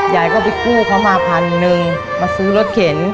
ยายก็ไปกู้เขามา๑๐๐๐มาซื้อรถเข็น